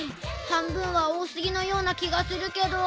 半分はおおすぎのような気がするけど。